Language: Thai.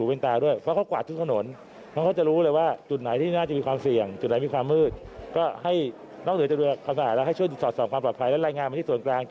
เอาฟังท่านพูดว่าหน่อย